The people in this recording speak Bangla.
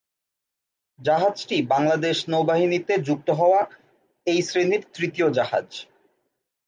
জাহাজটি বাংলাদেশ নৌবাহিনীতে যুক্ত হওয়া এই শ্রেণির তৃতীয় জাহাজ।